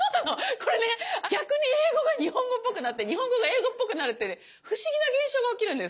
これね逆に英語が日本語っぽくなって日本語が英語っぽくなるってね不思議な現象が起きるんです。